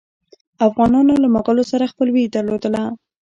افغانانو له مغولو سره خپلوي درلودله.